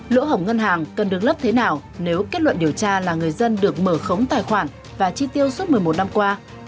lỗ hổng ngân hàng cần được lấp thế nào nếu kết luận điều tra là người dân được mở khống tài khoản và chi tiêu suốt một mươi một năm qua